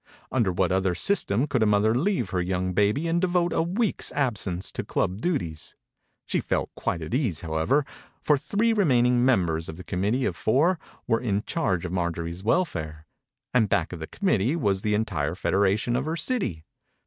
Under what other system could a mother leave her young baby and devote a week's absence to club duties? She felt quite at ease, however, for the three remaining members of the committee of four were in charge of Marjorie's welfare, and back of the committee was the entire federation of her city.